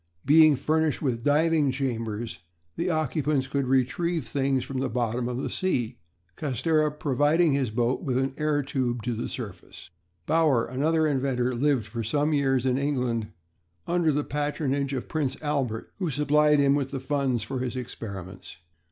Being furnished with diving chambers, the occupants could retrieve things from the bottom of the sea; Castera providing his boat with an air tube to the surface. Bauer, another inventor, lived for some years in England under the patronage of Prince Albert, who supplied him with funds for his experiments.